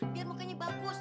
biar mukanya bagus